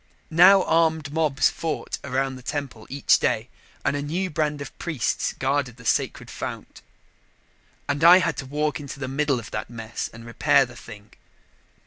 Now armed mobs fought around the temple each day and a new band of priests guarded the sacred fount. And I had to walk into the middle of that mess and repair the thing.